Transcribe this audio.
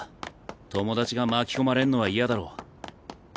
友達が巻き込まれんのは嫌だろ。